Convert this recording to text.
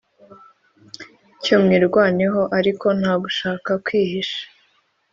cyo mwirwaneho ariko nta gushaka kwihisha